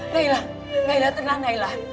nailah tenang nailah